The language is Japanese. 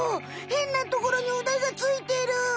へんなところにうでがついてる。